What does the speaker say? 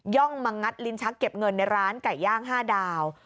่องมางัดลิ้นชักเก็บเงินในร้านไก่ย่าง๕ดาว